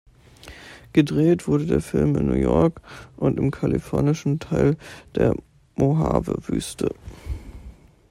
Gedreht wurde der Film in New York und im kalifornischen Teil der Mojave-Wüste.